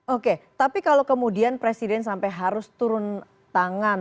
oke tapi kalau kemudian presiden sampai harus turun tangan